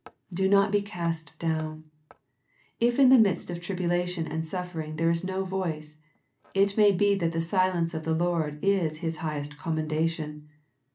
Do not be cast down. If in the midst of tribulation and suffering there is no voice, it may be that the silence of the Lord is His highest commendation.